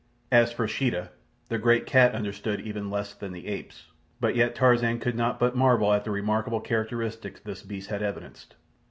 As for Sheeta—the great cat understood even less than the apes; but yet Tarzan could not but marvel at the remarkable characteristics this beast had evidenced.